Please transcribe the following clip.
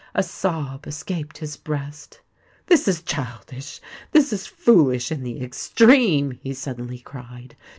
A sob escaped his breast. "This is childish—this is foolish in the extreme," he suddenly cried.